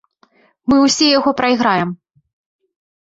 Мы ўсе яго прайграем.